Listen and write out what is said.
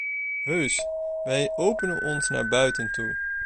Heus, wij openen ons naar buiten toe.